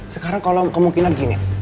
sekarang kalau kemungkinan gini